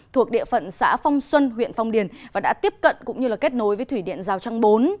thuộc địa phận xã phong xuân huyện phong điền và đã tiếp cận cũng như kết nối với thủy điện giao trang bốn